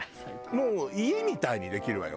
もう家みたいにできるわよ。